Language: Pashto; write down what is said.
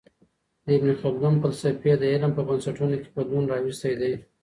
د ابن خلدون فلسفې د علم په بنسټونو کي بدلون راوستی دی.